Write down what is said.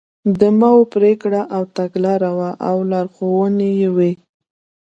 د ماوو پرېکړه او تګلاره وه او لارښوونې وې.